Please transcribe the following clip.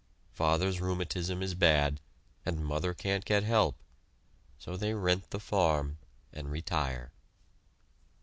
Father's rheumatism is bad, and mother can't get help, so they rent the farm and retire.